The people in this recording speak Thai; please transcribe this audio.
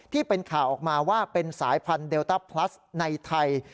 ที่เป็นข่าวออกมาว่าเป็นสายพันธุเดลต้าพลัสในไทย